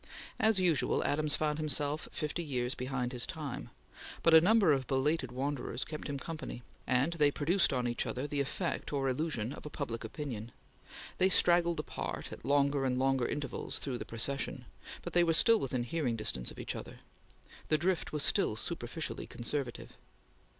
As usual, Adams found himself fifty years behind his time, but a number of belated wanderers kept him company, and they produced on each other the effect or illusion of a public opinion. They straggled apart, at longer and longer intervals, through the procession, but they were still within hearing distance of each other. The drift was still superficially conservative.